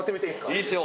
いいですよ。